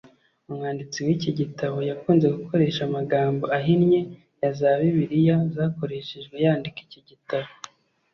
umwanditsi w’iki gitabo yakunze gukoresha amagambo ahinnye ya za bibiliya zakoreshejwe yandika iki gitabo.